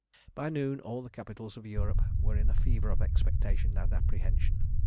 By noon all the capitals of Europe were in a fever of expectation and apprehension.